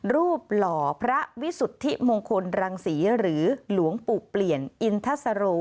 หล่อพระวิสุทธิมงคลรังศรีหรือหลวงปู่เปลี่ยนอินทสโร